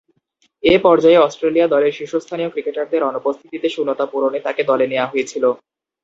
এ পর্যায়ে অস্ট্রেলিয়া দলের শীর্ষস্থানীয় ক্রিকেটারদের অনুপস্থিতিতে শূন্যতা পূরণে তাকে দলে নেয়া হয়েছিল।